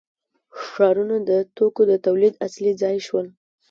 ښارونه د توکو د تولید اصلي ځای شول.